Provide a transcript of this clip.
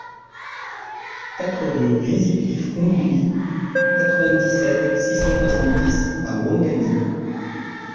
quatre rue Riziki Foungoulie, quatre-vingt-dix-sept, six cent soixante-dix à Ouangani